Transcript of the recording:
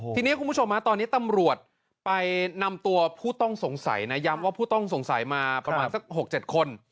ทีนี้ตำรวจไปนำตัวผู้ต้องสงสัยย้ำว่าผู้ต้องสงสัยมาประมาณ๖๗คน